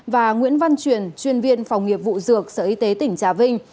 và nguyễn văn truyền chuyên viên phòng nghiệp vụ dược sở y tế tỉnh trà vinh